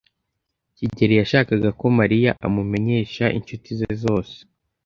kigeli yashakaga ko Mariya amumenyesha inshuti ze zose.